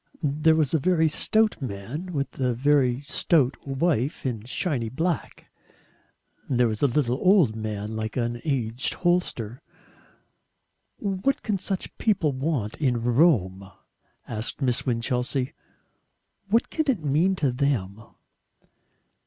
There was a very stout man with a very stout wife in shiny black; there was a little old man like an aged hostler. "What CAN such people want in Rome?" asked Miss Winchelsea. "What can it mean to them?"